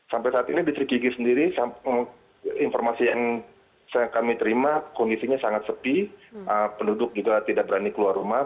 sampai saat ini distrik yigi sendiri informasi yang kami terima kondisinya sangat sepi penduduk juga tidak berani keluar rumah